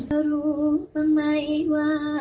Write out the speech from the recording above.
เหมือนกับวาวฮะ